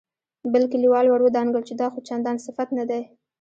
بل کليوال ور ودانګل چې دا خو چندان صفت نه دی.